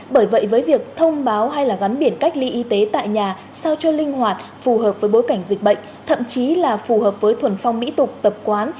bởi vậy với việc thông báo hay là gắn biển cách ly y tế tại nhà sao cho linh hoạt phù hợp với bối cảnh dịch bệnh thậm chí là phù hợp với thuần phong mỹ tục tập quán